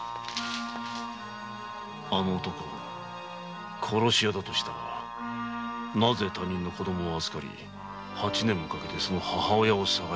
あの男殺し屋だとしたらなぜ他人の子供を預かり八年もかけてその母親を捜しているのか。